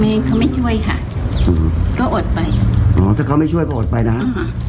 เขาไม่ช่วยค่ะก็อดไปอ๋อถ้าเขาไม่ช่วยก็อดไปนะอ่า